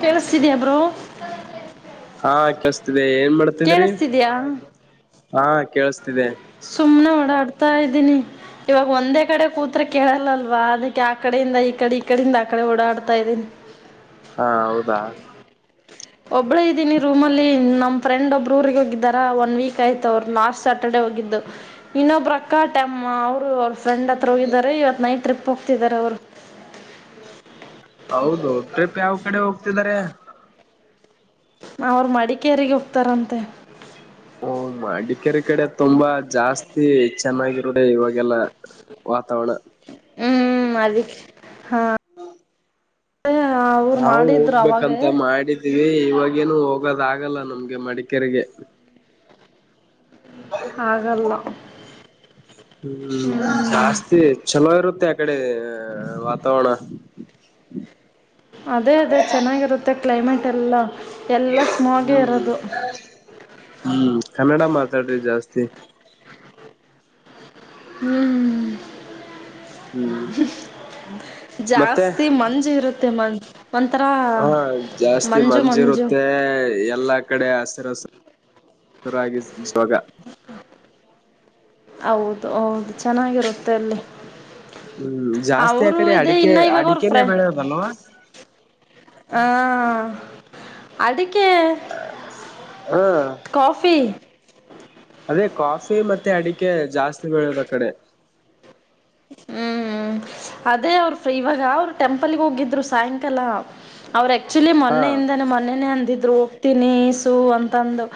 ಕೇಳಿಸತಿದಿಯಬ್ರು ಹಾ ಕಸ್ತೀ ಅದೇ ಏನ್ ಮಾಡ್ತಿದ್ರಿ ಕೇಳಿಸ್ತಿದ್ಯಾ ಹಾ ಕೇೇಳಸ್ತಿದೆ ತಾಯ ದಿನಿ ಇವಾಗ ಒಂದೇ ಕಡೆ ಕೂತ್ ಕೇಳಲ್ಲಲ್ವಾ ಅದಕ್ಕೆ ಆ ಕಡೆಯಿಂದ ಈ ಕಡೆ ಈ ಕಡಿಂದ ಆ ಕಡೆ ಓಡಾಡ್ತಾ ಇದ್ದೀನಿ ಹ [inaudible] ಹಾ ಹೌದಾ ಒಬ್ಬಳೇ ಇದ್ದೀನಿ ರೂಮಲ್ಲಿ ನಮ್ಮ ಫ್ರೆಂಡ್ ಒಬ್ಬ್ರ ಊರಿಗೆ ಹೋಗಿದ್ದಾರಾ ಒನ್ ವೀಕ್ ಆಯತ ಅವರು ಲಾಸ್ಟ್ ಸ್ಯಾಟರ್ಡೇ ಹೋಗಿದ್ದು ಇನ್ನೊಬ್ಬ್ರ ಕಾಟಮ್ಮ ಅವರು ಫ್ರೆಂಡ್ ಹತ್ರ ಹೋಗಿದ್ದಾರೆ ಇವತ್ ನೈಟ್ ಟ್ರಿಪ್ ಹೋಗ್ತಿದ್ದಾರೆ ಅವರು ಹೌದು ಟ್ರಿಪ್ ಯಾವ ಕಡೆ ಹೋಗ್ತಿದ್ದಾರೆ ನಾ ಅವ್ರ ಮಡಿಕೇರಿಗೆ ಹೋಗ್ತಾರಂತೆ ಹಓ ಮಡಿಕೇರಿ ಕಡೆ ತುಂಬಾ ಜಾಸ್ತಿ ಚೆನ್ನಾಗಿರು ಇವಾಗೆಲ್ಲ ವತವಣ ಹಾ ನಾವವು ಅವಾಗೇ ಹೋಗ್ಬೇಕಂತ ಮಾಡಿದೀವಿ ಇವಾಗೇನು ಹೋಗ ಹೋಗೋದ ಆಗಲ್ಲ ನಮ್ಗೆ ಮಡಿಕೇರಿಗೆ ಆಗಲ್ಲ ಹ್ಮ್ ಹ್ಮ್ ಜಾಸ್ತಿ ಚಲೋ ಇರುತ್ತೆ ಯ ಕಡೆ ವಾತಾವರಣ ಅದೇ ಅದೇ ಚೆನ್ನಾಗಿರುತ್ತೆ ಕ್ಲೈಮೇಟ್ ಎಲ್ಲ ಎಲ್ಲ ಸ್ಮಾಗೇ ಹ್ಮ್ ಇರೋದು ಹ್ಮ್ ಕನ್ನಡ ಮಾತಾಡ್ರಿ ಜಾಸ್ತಿ ಹ್ಮ್ ಹ್ಮ್ ಮತ್ತೆ ಜಾಸ್ತಿ ಮಂಜು ಇರುತ್ತೆ ಮಂ ಹಾ ಜಾಸ್ತಿ ಮಂಜ ಮಂಜು ಇರುತ್ತೆ ಎಲ್ಲಾ ಕಡೆ ಹಸಿರ ಹಸ ಸರಾಗಿ ಸ್ವಗ ಹೌದು ಹೌದು ಚೆನ್ನಾಗಿರುತ್ತೆ ಅಲ್ಲಿ ಹ್ಮ್ ಜಾಸ್ತಿ ಆ ಅವರು ಕಡೆ ಇದೆ ಅಡಿಕೆ ಇನ್ನು ಅಡಿಕೆನೆೇ ಬೆಳೆದಲ್ವಾ ಹ ಅದಕ್ಕೆ ಹಾ ಕಫಿ ಅದೇ ಕಾಫಿ ಮತ್ತೆ ಅಡಿಕೆ ಜಾಸ್ತಿ ಬೆಳದ ಆ ಕಡೆ ಹ್ಮ್ ಹ್ಮ್ ಅದೇ ಅವರು ಇವಾಗ ಅವರು ಟೆಂಪಲ್ಗೆ ಹೋಗಿದ್ರು ಸಾಯಂಕಾಲ ಅವ್ರ ಆಕ್ಚುಲಿ ಹಾ ಮನೆಯಿಂದ ಮನೆೆನೆೇ ಅಂದಿದ್ದ ಹೋಗ್ತೀನಿ ಸು ಅಂತಂದು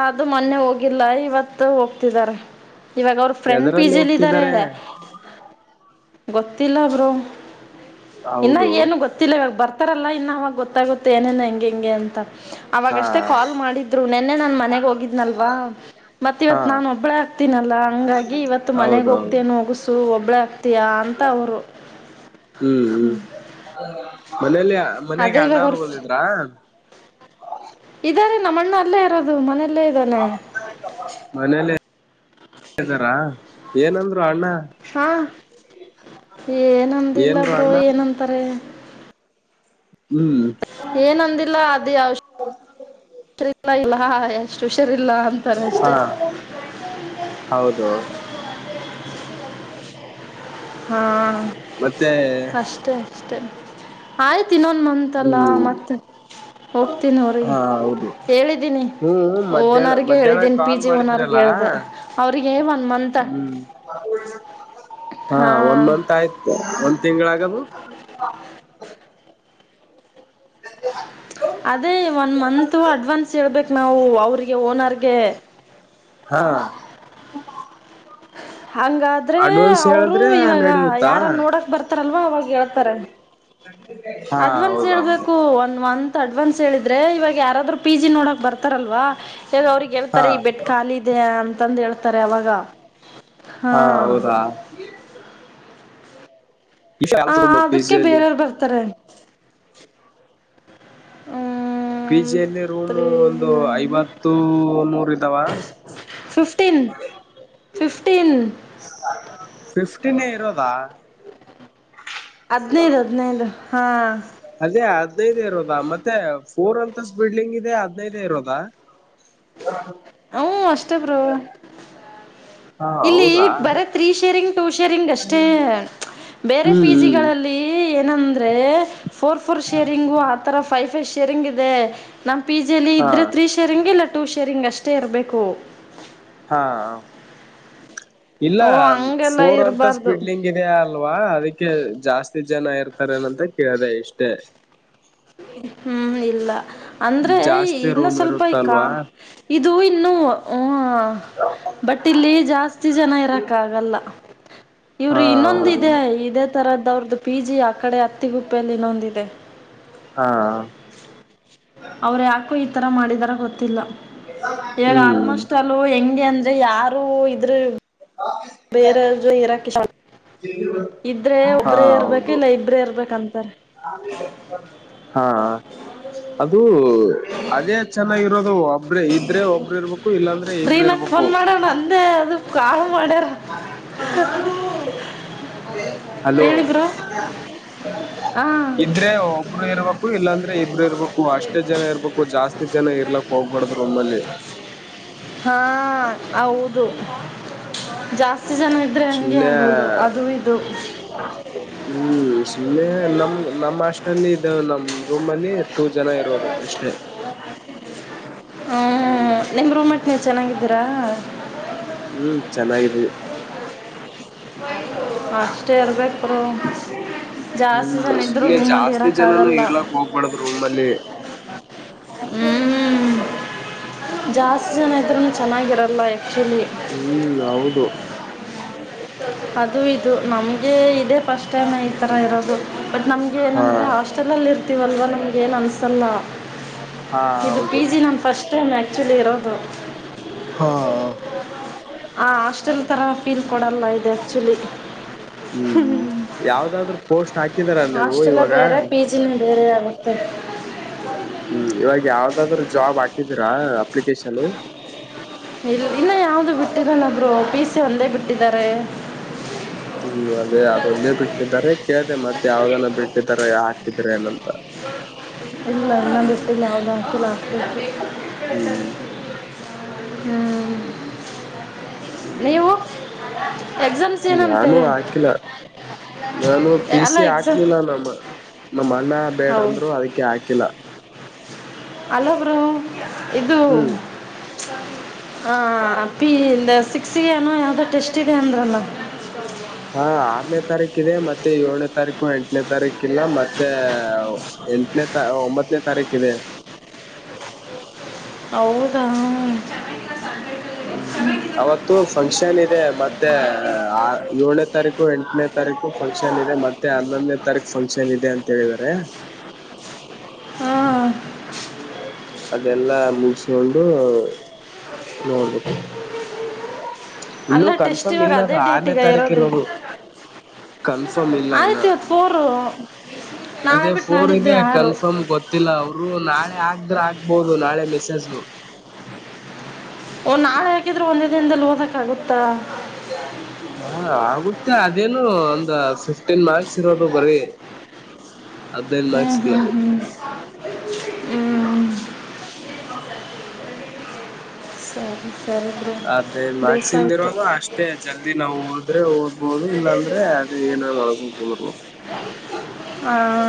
ಅದು ಮೊನ್ನೆ ಹೋಗಿಲ್ಲ ಇವತ್ತು ಹೋಗ್ತಿದ್ದಾರೆ ಇವಾಗ ಅವ್ರ ಫ್ರೆಂಡ್ ಪಿ ಎದರಲ್ಲಿ ಜಿಲಿ ಇದಾರೆ ಹೋಗ್ತಿದ್ದಾರೆ ಗೊತ್ತಿಲ್ಲ ಬರುೋ ಇನ್ನ ಹೌದು ಏನು ಗೊತ್ತಿಲ್ಲ ಇವಾಗ ಬರ್ತ ಆತ್ತರಲ್ಲ ಇನ್ನು ಅವವಾಗ ಗೊತ್ತಾಗುತ್ತೆ ಏನೇನು ಹೆಂ ಹೆಂಗೆ ಅಂತ ಹಾ ಅವಾಗಷ್ಟೇ ಕಾಲ್ ಮಾಡಿದ್ರು ನೆನ್ನೆ ನನ್ ಮನೆಗ್ ಹೋಗಿದ್ನಲ್ವಾ ಮತ್ ಹಾ ಇವತ್ ನಾನನ್ ಒಬ್ಬಳ ಆಕ್ತೀನಲ್ಲಾ ಹಂಗಾಗಿ ಇವತ್ತು ಮನೆಗ ಹೌದೌದು ಹೋಗ್ತೇನೆ ಒೋಗಸು ಒಬ್ಬಳ ಯಾ ಅಂತ ಅವರು ಹ್ಮ್ ಹ್ಮ್ ಮನೇಲಿ ಮನೆಗೆ ಅದೇ ಅಣ್ಣ ಇವಾಗ ಅವ್ರು ಅವ್ರ ಹೋದಿದ್ರಾ ಇದರಿ ನಮ್ಮ ಅಣ್ಣ ಅಲ್ಲೇ ಇರೋದು ಮನೆಯಲ್ಲೇ ಇದ್ದಾನೆ ಹ್ದಾರಾ ಏನಂದ್ರು ಅಣ್ಣ ಹಾ ಏನ್ರು ಏನಂದಿಲ್ಲಬ್ರರು ಅಣ್ಣ ಏನಂತಾರೆ ಹ್ಮ್ ಏನಂದಿಲ್ಲ ಅದುಲ್ಲ ಇಲ್ಲ ಹಾ ಎಷ್ಟು ಹುಷರ ಇಲ್ಲ ಅಂತಾರೆ ಅಷ್ಟೆ ಹಾ ಹೌದು ಹಾ ಮತ್ತೆ ಅಷ್ಟೇ ಅಷ್ಟೇ ಆಯ್ತ ಇನ್ನೊಂದ ಮಂತಲ್ಲ ಹ್ಮ್ ಮತ್ತ ಹೋಗ್ತೀನಿ ಅವರಿಗೆ ಹಾ ಹೌದು ಹೇಳಿದ್ದೀನಿ ಹ್ಮ್ ಮಧ್ಯಾಹ್ನ ಓನರ್ಗೆ ಮಧ್ಯಾಹ್ನ ಹೇಳಿದ್ದೀನಿ ಪಿ ಕಾಲ್ ಜಿ ಓನರ್ಗೆ ಮಾಡಿದ್ರಲ್ಲ ಹೇಳಿದೆ ಅವ್ರಿಗೆ ಒನ್ ಮಂತ್ ಹ್ಮ್ ಹ [unintelligible] ಹಾ ಒಂದ್ ಮಂತ್ ಆಯ್ತು ಒಂದ್ ತಿಂಗ್ಗಳ ಆಗದು ಅ [unintelligible] ಅದೇ ಒನ್ ಮಂತು ಅಡ್ವಾನ್ಸ್ ಹೇಳ್ಬೇಕು ನಾವು ಅವ್ರಿಗೆ ಓನರ್ಗೆ ಹಾ ಹಂಗಾದ್ರೆ ಅಡ್ವಾನ್ಸ್ ಅವರು ಹೇಳಿದ್ರೆ ಇವಾಗ ನಡೆಯುತ್ತಾ ಯಾರನ್ ನೋಡಕ್ ಬರ್ತಾರಲ್ವಾ ಅವಾಗ ಹೇಳ್ತಾರ ಹಾ ಅಡ್ವಾನ್ಸ್ ಹೌದೌದು ಹೇಳ್ಬೇಕು ಒಂದ್ ಮಂತ್ ಅಡ್ವಾನ್ಸ್ ಹೇಳಿದ್ರೆ ಇವಾಗ ಯಾರಾದ್ರರು ಪಿ ಜಿ ನೋಡಕ್ ಬರ್ತಾರಲ್ವಾ ಹಗ ಅವ್ರಿಗೆ ಹಾ ಹೇಳ್ತಾರೆ ಈ ಬೆಟ್ ಖಾಲಿದೆ ಅಂತಂದು ಹೇಳ್ತಾರೆ ಅವಾಗ ಹಾ ಹೌದಾ ಹ ಪಿ ಅದಕ್ಕೆ ಜಿಯಲ್ಲಿ ಬೇರೆಯವ್ರು ಬರ್ತಾರೆ ಹ್ಮ್ ಪಿಜಿ ಯಾಲ್ಲಿ ರೂಮು ತ್ರೀ ಒಂದು ನೈನ್ ಐವತ್ತು ನೂರ ಇದ ಇದಾವ ಫಿಫ್ಟೀನ್ ಫಿಫ್ಟೀನ್ ಫಿಫ್ಟೀನ್ ನೇ ಇರೋದಾ ಹದ್ನೈದು ಹದ್ನೈದು ಹಾ ಅದೇ ಹದ್ನೈದೇ ಇರೋದಾ ಮತ್ತೆ ಫೋರ್ ಅಂತಸ್ ಬಿಲ್ಡಿಂಗ್ ಇದೆ ಹದ್ನೈದೇ ಇರೋದಾ ಹ ಅಷ್ಟೇ ಪ್ರೋ ಹಾ ಇಲ್ಲಿ ಹೌದಾ ಬರತ್ ರರಿ ಶೇರಿಂಗ್ ಟೂಷರಿಂಗ್ ಅಷ್ಟೇ ಬೇರೆ ಹ್ಮ್ ಪಿ ಹ್ಮ್ ಜಿಗಳಲ್ಲಿ ಏನಂದ ಫೋರ್ ಫೋರ್ ಶೇರಿಂಗು ಆತರ ಫೈವ್ ಫೈವ್ ಶೇರಿಂಗ್ ಇದೆ ನಮ್ಮ ಪಿ ಜಿಯಲಿ ಹಾ ಇದ್ದರೆ ತ್ರೀ ಶೇರಿಂಗ್ ಇಲ್ಲ ಟೂ ಶೇರಿಂಗ್ ಅಷ್ಟೇ ಇರಬೇಕು ಹಾ ಇಲ್ಲ ಓ ಹಂಗೆಲ್ಲ ಫೋರ್ ಅಂತ ಇರಬಾರ್ದು ಸ್ಪಿಡ್ಲಿಂಗ್ ಇದ ಅಲ್ವಾ ಅದಕ್ಕೆ ಜಾಸ್ತಿ ಜನ ಇರ್ತಾರ ಏನಂತ ಕೇಳಿದೆ ಇಷ್ಟೇ ಹ್ಮ್ ಇಲ್ಲ ಅಂದ್ರೆ ಜಾಸ್ತಿ ಇನ್ನ ರೂಮ್ ಸ್ವಲ್ಪ ಇ್ಕ ಇರುತ್ತಲ್ವಾ ತು ಇನ್ನುೂ ಹ ಬಟ್ಟೆಲ್ಲಿ ಜಾಸ್ತಿ ಜನ ಇರಕ ಆಗಲ್ಲ ಇವ್ರ ಹಾ ಇನ್ನೊಂದ ಇದೆ ಇದೇ ತರದ ಇದ ಅವ್ರ್ದು ಪಿ ಜಿ ಆ ಕಡೆ ಅತ್ತಿಗುಪ್ಪೆಯಲ್ಲಿ ಇನ್ನೊಂದಿದೆ ಹಾ ಅವರು ಯಾಕೋ ಈ ತರ ಮಾಡಿದಾರ ಗೊತ್ತಿಲ್ಲ ಈವಾಗ ಹ್ಮ್ ಆಲ್ಮೋಸ್ಟ್ ಅಲ್ಲ ಹೆಂಗೆ ಅಂದ ್ರೆ ಯಾರು ಇದ್ರ ಬೇರೆು ಇರಾಕ ಇದ್ರೆ ಹಾ ಒಬ್ರೇ ಹೌದು ಇರ್ಬೇಕುಲ್ಲ ಇಬ್ರೇ ಇರ್ಬೇಕಂತ ಹಾ ಅದು ಅದೇ ಚೆನ್ನಾಗಿರೋ ಇಬ್ರು ರೀನಾಕ್ ಇರ್ಬೇಕು ಫೋನ್ ಮಾಡಣ ಅಂದೇ ಅದು ಕ ಮಾಡಡರ ಹಲೋ ಹ ಇದ್ರೆ ಒಬ್ರು ಇರ್ಬೇಕು ಇಲ್ಲಾಂದ್ರೆ ಇಬ್ರು ಇರ್ಬೇಕು ಅಷ್ಟೇ ಜನ ಇರ್ಬೇಕು ಜಾಸ್ತಿ ಜನ ಇರ್ಲಕ್ ಹೋಗ್ಬಡ್ದ್ರು ಹಾ ಹೌದು ಜಾಸ್ತಿ ಜನ ಇದ್ರೆ ಹಂಗೆ ಸುಮ್ನೆ ಆಗೋದು ಅದು ಇದು ಹ್ಮ್ ಸುಮ್ನೆ ನಮ್ ನಮ್ ಆಸ್ಟಲ್ಲಿ ಇ ನಮ್ ರೂಮ್ ಅಲ್ಲಿ ಟೂ ಜನ ಇರೋದು ಕ್ಷ ಹ್ಮ ನಿಮ್ ರೂಮಟ್ ನೀವು ಚೆನ್ನಾಗಿದ್ದೀರಾ ಹ್ಮ್ ಚೆನ್ನಾಗಿದೆ ಅಷ್ಟೇ ಇರ್ಬೇಕರು ಜಾಸ್ತಿ ಹ್ಮ್ ಜನ ಇದ್ರು ಸುಮ್ನೆ ರೂಮಲ್ಲಿ ಜಾಸ್ತಿ ಇರಕ್ಕ ಜನನು ಆಗಲ್ಲ ಇರ್ಲಾಕ್ ಹೋಗ್ಬಾರ್ದು ರೂಮ್ ಅಲ್ಲಿ ಹ್ಮ್ ಜಾಸ್ತಿ ಜನ ಇದ್ರು ಚೆನ್ನಾಗಿರಲ್ಲ ಆ್ಯಕ್ಚುಲಿ ಹ್ಮ್ ಹೌದು ಅದು ಇದು ನಮಗೆ ಇದದೆ ಫಸ್ಟ್ ಟೈಮ್ ಈಥರ ಇರೋದು ಬಟ್ ನಮಗೆ ಹಾ ಏನಂದ್ರೆ ಹಾಸ್ಟೆಲಲ್ಲಿರ್ ಹರ್ತೀವಲ್ವ ನಿಮ್ಗ ಏನು ಅನಿಸಲ್ಲ ಹಾ ಇದು ಪಿ ಹೌದು ಜಿ ನಮ್ಮ ಫಸ್ಟ್ ಟೈಮ್ ಆಕ್ಚುಲಿ ಇರೋದು ಹಾ ಆ ಹಾಸ್ಟೆಲ್ ತಥರ ಫೀಲ್ ಕೊಡಲ್ಲ ಇದು ಆಕ್ಚುಲಿ ಹ್ಮ್ ಹ್ಮ ಯಾವ್ದಾದ್ರು ಪೋಸ್ಟ್ ಹಾಕಿದಾರ ನೀವು ಹಾಸ್ಟೆಲ್ ಇವಾಗ ಬೇರೆ ಪಿ ಜಿನ ಬೇರೆ ಆಗುತ್ತೆ [inaudible] ಹ್ಮ್ ಇವಾಗ ಯಾವ್ದಾದ್ ಜಾಬ್ ಹಾಕಿದರಾ ಅಪ್ಲಿಕೇಶನ್ ಇನ್ನು ಯಾವ್ದು ಬಿಟ್ಟಿದನಬ್ರು ಪೀ ಸಿ ಒಂದೇ ಬಿಟ್ಟಿದ್ದಾರೆ ಹ್ಮ್ ಅದೇ ಅದೊಂದೇ ಬಿಟ್ಟಿದ್ದಾರೆ ಕೇಳ್ದ ಮತ್ತೆ ಯಾವ್ದನ ಬಿಟ್ಟಿದ್ದಾರೆ ಹಾಕಿದ್ರ ಏನಂತ ಅಲ್ಲಿ ಲರ್ನ್ನ ಬಷ್ಟ ಯವುದ ಲಾಸ್ ಹ್ಮ್ ಹ್ಮ್ ಹ್ಮ್ ಎಕ್ಸಾಮ್ಸ್ ಏನಂತೆ ನಾನು ಆಕಿಲ್ಲ ನಾನು ಪ ಅಲ್ಲ ಸಿ ಎಕ್ಸಾಮ್ ಹಾಕ್ಲಿಲ್ಲ ನಮ್ಮ ನಮ್ಮ ಅಣ್ಣ ಬೇಡ ಹೌದು ಅಂದ್ರು ಅದಕ್ಕೆ ಹಾಕಿಲ್ಲ ಅಲಬ್ರು ಇದು ಹ್ಮ್ ಹ ಪಿ ಸಿಕ್ಸಿಗೆ ಏನೋ ಯಾವ್ದೋ ಟೆಸ್ ಇದೆ ಅಂದ್ರಲ್ಲ ಹಾ ಆರನೇ ತಾರೀಕ ಇದೆ ಮತ್ತೆ ಏಳನೇ ತಾರೀಕು ಎಂಟನೇ ತಾರೀಕಿಲ್ಲ ಮತ್ತೆ ಎಂಟನೇ ತ ಒಂಬತ್ತನೇ ತಾರೀಕ ಇದೆ [inaudible] ಹೌದಾ ಹ್ಮ್ ಅವತ್ತು ಫಂಕ್ಷನ್ ಇದೆ ಮತ್ತೆ ಆ ಏಳನೇ ತಾರೀಕು ಎಂಟನೇ ತಾರೀಕು ತಾರೀಕು ಫಂಕ್ಷನ್ ಇದೆ ಮತ್ತೆ ಹನ್ನೊಂದನೇ ತಾರೀಕು ಫಂಕ್ಷನ್ ಇದೆ ಅಂತ ಹೇಳಿದಿದ್ದಾರೆ ಹ್ಮ ಅದೆಲ್ಲಾ ಮುಗಿಸಕೊಂಡು ನೋಡ್ಬೇಕು ಇನ್ನು ಅಲ್ಲ ಟೆಸ್ಟ್ ಕನ್ಫರ್ಮ್ ಇವಾಗ ಇಲ್ಲ ಅದೇ ಅದು ಆರನೇ ಡೇಟಗ ತಾರೀಕ ಇರೋದು ಕನ್ಫರ್ಮ್ ಇಲ್ಲ ಆಯತ್ತ ಇನ್ನ ಮೂರು ಅದೇ ಫೋರ್ ಇದೆ ಕನ್ಫರ್ಮ್ ಗೊತ್ತಿಲ್ಲ ಅವರು ನಾಳೆ ಆಗ್ರೆ ಆಗ್ಬೋದು ನಾಳೆ ಮೆಸೇಜು ಒಓ ನಾಳೆ ಹಾಕಿದ್ರು ಒಂದೇ ದಿನದಲ್ಲಿ ಓದಕ ಆಗುತ್ತಾ ಹಾ ಆಗುತ್ತೆ ಅದೇನು ಒಂದ ಫಿಫ್ಟೀನ್ ಮಾರ್ಕ್ಸ್ ಇರೋದು ಬರೀ ಹ್ಞೂ ಅಾಕ್ಸ್ ಹ್ಞೂ ಹ್ಞೂ ಹ್ಞೂ [unintelligible] ಸರಿ ಸರಿ ಬ್ರೋ ಅದೇ ಮಕ್ಸಿಂದ ಬೇಸಾಯಿತು ಇರೋದು ಅಷ್ಟೇ ಜಲ್ದಿ ನಾವು ಓದ್ರೆ ಓದ್ಬೋದು ಇಲ್ಲಾಂದ್ರೆ ಅದೇ ನ ವಕ ಕುಂದ [unintelligible] ಹಾ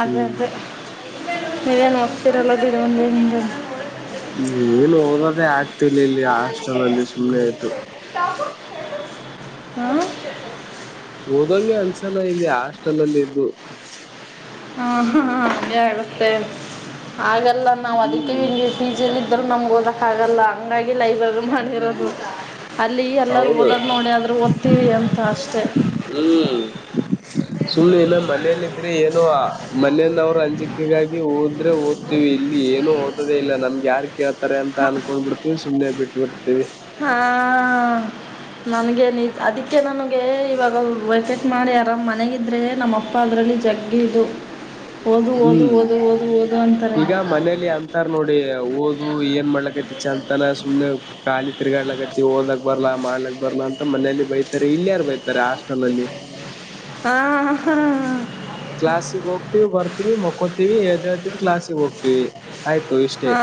ಅದೇ ಹ್ಮ್ ಅದೇ ನೀವೇನು ಹೋಗ್ತಿರಲ್ಲದುದು ಒಂದು ನಿಗೆ ಏನ್ ಓದದೇ ಆಗ್ತಿಲ್ಲ ಇಲ್ಲಿ ಹಾಸ್ಟೆಲ್ ಅಲ್ಲಿ ಸುಮ್ನೆ ಆಯ್ ಹ್ಮ ಓದಂಗೆ ಅನ್ಸಲ ಇಲ್ಲಿ ಆಾಸ್ಟೆಲ್ಲ್ಲಿ ಇದ್ದು ಹ ಹ ಹಾಗೆ ಆಗುತ್ತೆ ಹಾಗಲ್ಲ ನಾವು ಅದ್ದಿಕೆ ಹ್ಮ್ ಪಿಜಿ ಆಲ್ ಇದ್ರರು ನಮ್ಗೆ ಓದಕ್ಕ ಆಗಲ್ಲ ಹಂಗಾಗಿ ಲೈಬ್ರರಿ ಹ್ಮ್ ಮಾಡಿರೋದು ಅಲ್ಲಿ ಎಲ್ಲರೂ ಹೌದು ಓದದ್ ನೋಡಿ ಆದ್ರು ಓದ್ತೀವಿ ಅಂತ ಅಷ್ಟೆ ಸುಳ್ಳು ಏನ ಮನೇೆಯಲ್ಲಿ ಇದ್ರೆ ಏನೋ ಮನೆಯನ್ನ ಅವರು ಅಂಜಿಕೆಗಾಗಿ ಹೋದ್ರೆ ಓದ್ತಿೀವಿ ಇಲ್ಲಿ ಏನು ಓದೇ ಇಲ್ಲ ನಮ್ಗೆ ಯಾರ್ು ಕೇಳ್ತಾರೆ ಅಂತ ಅನ್ಕೊಂಡ್ ಬಿಿಡ್ತೀವಿ ಸುಮ್ಮನೆ ಬಿಟ್ಟ ಹಾ ನನ್ಗೇನ್ ಅದಕ್ಕೆ ನನಗೆ ಇವಾಗ ವೆೇಕೆಟ್ ಮಾಡಿ ಆರಾಮ್ ಮನೆಗ ಇದ್ರೆ ನಮ್ಮ ಅಪ್ಪ ಅದ್ರಲ್ಲಿ ಜಗ್ಗಿದು ಓದು ಓದು ಹ್ಮ್ ಓದು ಓದು ಓದು ಅಂತಾರೆ ಈಗ ಮನೇಲಿ ಅಂತಾರ್ ನೋಡಿ ಓದು ಏನ್ ಮಾಡ್ಲಕೈತಿ ಚಂತನ ಸುಮ್ನೆ ಖಾಲಿ ತಿರ್ಗಾಡ್ಲಕೈತಿ ಓದಲಕ್ ಬರ್ಲಾ ಮಾಡ್ಲಕ್ ಬರ್ಲಾ ಅಂತ ಮನೆಯಲ್ಲಿ ಬೈತಾರೆ ಇಲ್ಲಿ ಯಾರು ಬೈತಾರೆ ಹಾಸ್ಟೆಲ್ ಅಲ್ಲಿ ಹಾ ಹಾ ಹಾ ಕ್ಲಾಾಸಿಗೆ ಹೋಗ್ತಿೀವಿ ಬರ್ತಿೀವಿ ಮಕ್ಕೊತಿವಿ ಯದ [unintelligible] ಹಾ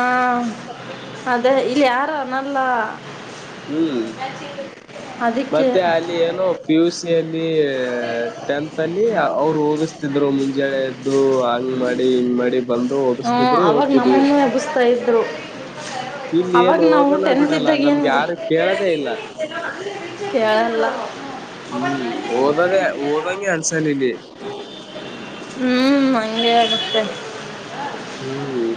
ಅದೇ ಇಲ್ಲಿ ಯಾರು ಅ ನಲ್ಲ ಹ್ಮ್ ಅದಕ್ಕೆ ಮತ್ತೆ ಅಲ್ಲಿ ಏನೋ ಪಿಯುಸಿಯಲ್ಲಿ ಟೆಂತ್ ಅಲ್ಲಿ ಅವ್ರು ಹೋಗಿಸ್ತಿದ್ರು ಮುಂಜಳೆ ಎದ್ದು ಹಂಗ್ ಮಾಡಿ ಹಿಂಗ್ ಮಾಡಿ [unintelligible] ಬಂದು ಹ್ಞೂ ಓೋಗಿಸ್ತಿದ್ರು ಅವಾಗ ಓದ್ತಿದೀವಿ ನಮ್ಮನ್ನು [unintelligible] ಎಬ್ಬಿಸ್ತಾ ಇದ್ರು ಅವಾಗ ನಾವು ಊಟೆನ್ತ್ ಬಿಡಲ್ಲ ಇದ್ದಾಗ ಏನ್ ನಮ್ಗೆ ಯಾರು ಕೇಳದೇ ಇಲ್ಲ [unintelligible] ಕಳಲ್ಲ [unintelligible] ಹ್ಮ್ ಓದದೆ ಓದಂಗಿ ಅನಸಾಲಲ್ಲಿ [unintelligible] ಹ್ಮ್ ಭಂದೆ ಅಡತ ಹ್ಮ್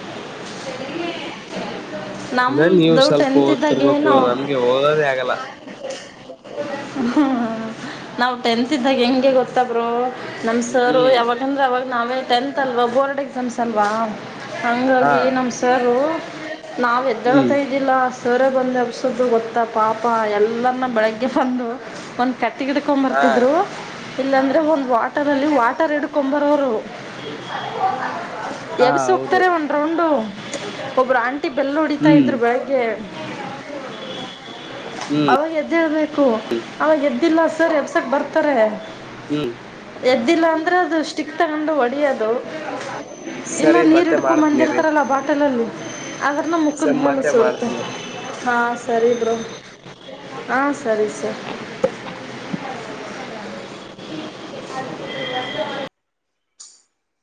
ಸರಿ [unintelligible] ನಮ ಇನ್ನ ನೀವು ದೌಡ್ಟ ಸ್ವಲ್ಪ ಎಂತ್ದಾಗ ಓದ್ತಿರ್ಬೇಕು ನಾವು [unintelligible] ನಮ್ಗೆ ಓದೋದೇ ಆಗಲ್ಲ ಹ್ಮ ನಾವ್ ಟೆಂತ್ ಇದ್ದಾಗ ಹೆಂಗೆ ಗೊತ್ತ ಬ್ರೋ [unintelligible] ನಮ್ ಸರ್ ಹ್ಮ್ ಯಾವಾಗಂದ್ರೆ ಅವಾಗ ನಾವೇ ಟೆಂತ್ ಅಲ್ವಾ ಬೋರ್ಡ್ ಎಕ್ಸಾಮ್ಸ್ ಅಲ್ವಾ ಹಂಗ [unintelligible] ಹಾ ಈ ನಮ್ಮ್ ಸಾರು [unintelligible] ನಾವ್ ಎದ್ದಳತ ಹ್ಮ್ ಇದ್ದಿಲ್ಲ ಸವರ ಬಂದು ಹಬ್ಸೋ್ದದು ಗೊತ್ತಾ ಪಾಪ ಎಲ್ಲನ್ನ ಬೆಳಗ್ಗೆ ಬಂದು ಒಂದು [unintelligible] ಕಟ್ಟಿ ಗಿಡ್ಕೊಂಡ್ ಹಾ ಬರ್ತಿದ್ರು ಇಲ್ಲಾಂದ್ರೆ ಒಂದ್ ವಾಟರ್ ಅಲ್ಲಿ ವಾಟರ್ ಇಿ ಕುಂಬರವರು ಹಾ ಎಬ್ಸ ಹೌದು ಹೋಗ್ತಾರೆ ಉಂಟ [unintelligible] ೊಂಡು ಒಬ್ರು ಆಂಟಿ ಬೆಳ್ ಹೊಡಿತಾ ಹ್ಮ್ ಇದ್ರು ಬೆಳಗ್ಗೆ ಹ್ಮ್ ಅವಾಗ ಎದ್ದ ಹೇಳ್ಬೇಕು ಅವಾಗ ಎದ್ದಿಲ್ಲ ಸರ್ ಎಬ್ಸಕ್ ಬರ್ತಾರೆ ಹ್ಮ್ ಎದ್ದಿಲ್ಲ ಅಂದ್ರೆ ಅದು ಸ್ಟಿಕ್ ತಗೊಂಡು ಹೊಡಿಯದು ಸರಿ ಮತ್ತೆ ಮಾಡ್ತ [unintelligible] ಬಂದಿರ್ತರಲ್ಲ ಬಾಟಲಲ್ಲ [unintelligible] ಅದ್ರ ನ ಸ ಮುಖದ ಮೇಲೆ ಮತ್ತೆ ಸರುತೆ ಮಾಡ್ತನಿರಿ ಹಾಂ ಸರಿ ಬ್ರೋ ಹಾಂ [unintelligible] ಸರಿ ಸರ್ [inaudible]